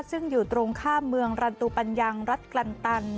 ซึ่งอยู่ตรงข้ามเมืองรันตุปัญญังรัฐกลันตัน